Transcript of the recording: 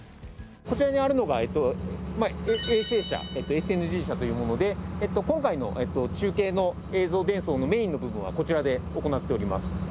こちらにあるのが衛星車ＳＮＧ車というもので今回の中継の映像伝送のメインの部分はこちらで行っております。